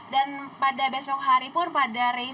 dan pada besok hari pun pada racenya